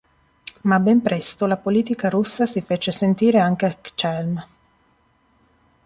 Ma ben presto la politica russa si fece sentire anche a Chełm.